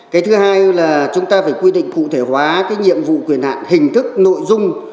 cái thứ hai là chúng ta phải quy định cụ thể hóa cái nhiệm vụ quyền hạn hình thức nội dung